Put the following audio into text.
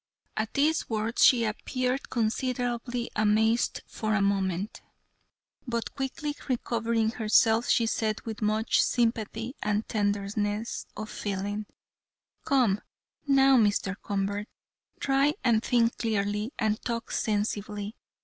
At these words she appeared considerably amazed for a moment, but quickly recovering herself, she said with much sympathy and tenderness of feeling: "Come, now, Mr. Convert, try and think clearly and talk sensibly.